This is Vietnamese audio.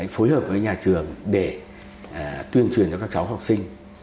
phối hợp với nhà trường để tuyên truyền cho các cháu học sinh